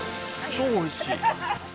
超おいしい。